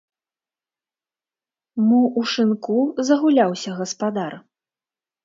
Мо ў шынку загуляўся гаспадар?